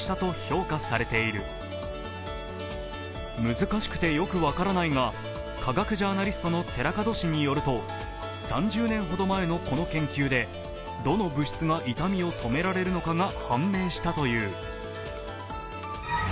難しくてよく分からないが、科学ジャーナリストの寺門氏によると、３０年ほど前のこの研究で、どの物質が痛みを止められるのかが判明したという。